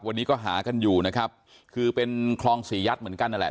วันนี้ก็หากันอยู่นะครับคือเป็นคลองสี่ยัดเหมือนกันนั่นแหละ